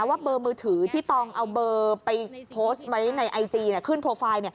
ว่าเบอร์มือถือที่ตองเอาเบอร์ไปโพสต์ไว้ในไอจีขึ้นโปรไฟล์